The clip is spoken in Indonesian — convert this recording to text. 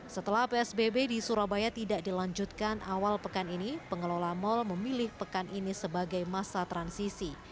setelah psbb di surabaya tidak dilanjutkan awal pekan ini pengelola mal memilih pekan ini sebagai masa transisi